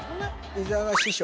伊沢が師匠？